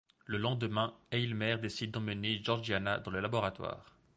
Le lendemain, Aylmer décide d'emmener Georgiana dans le laboratoire.